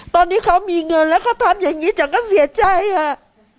ตอนที่เขามีเงินแล้วเขาทำอย่างนี้ฉันก็เสียใจอ่ะ